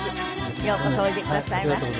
ようこそおいでくださいました。